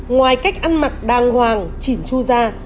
ngoài cách ăn mặc đàng hoàng chỉn chu ra